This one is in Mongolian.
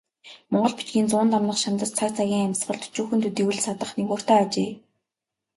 Монгол бичгийн зуун дамнах шандас цаг цагийн амьсгалд өчүүхэн төдий үл саатах нигууртай ажээ.